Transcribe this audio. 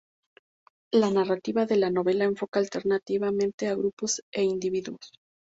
La narrativa de la novela enfoca alternativamente a grupos e individuos.